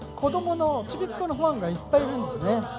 子どもの、ちびっ子のファンがいっぱいいるんでね。